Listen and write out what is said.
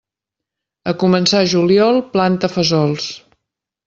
A començar juliol, planta fesols.